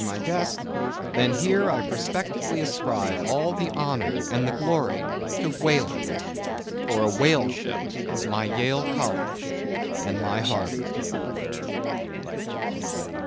in my desk, then here I prospectively ascribe all the honor and the glory to whaling; for a whale ship was my Yale College and my Harvard.